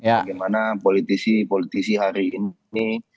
bagaimana politisi politisi hari ini